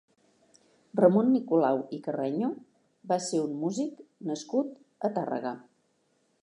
Ramon Nicolau i Carreño va ser un músic nascut a Tàrrega.